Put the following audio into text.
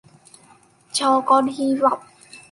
Cho con hi vọng